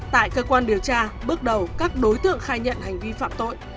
tại cơ quan điều tra bước đầu các đối tượng khai nhận hành vi phạm tội